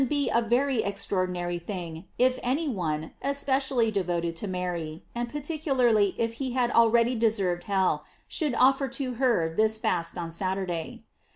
GLORIE& OF MARY 657 be a very extraordinary thing, if any one, es pecially devoted to Mary, and particularly if he had already deserved hell, should offer to her this fast on Saturday.